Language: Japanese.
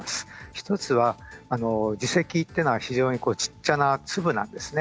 一つはあの耳石というのは非常にこうちっちゃな粒なんですね。